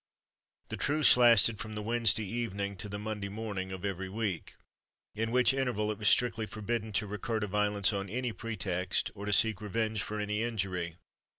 The truce lasted from the Wednesday evening to the Monday morning of every week, in which interval it was strictly forbidden to recur to violence on any pretext, or to seek revenge for any injury.